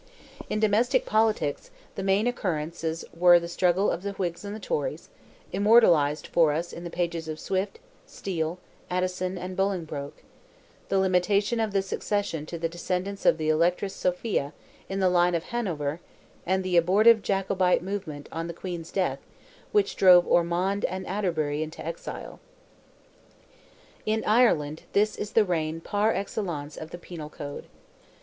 In domestic politics, the main occurrences were the struggle of the Whigs and Tories, immortalized for us in the pages of Swift, Steele, Addison, and Bolingbroke; the limitation of the succession to the descendants of the Electress Sophia, in the line of Hanover; and the abortive Jacobite movement on the Queen's death which drove Ormond and Atterbury into exile. In Ireland, this is the reign, par excellence, of the penal code.